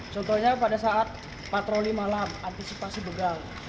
contohnya pada saat patroli malam antisipasi begal